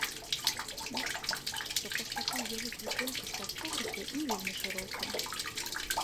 Ясна, што праз такую вялікую колькасць аўтографы не вельмі шырокія.